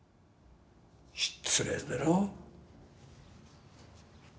失礼だろ？